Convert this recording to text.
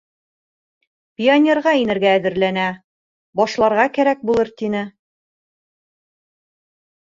Пионерға инергә әҙерләнә башларға кәрәк булыр, -тине.